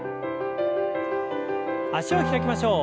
脚を開きましょう。